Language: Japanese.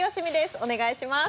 お願いします。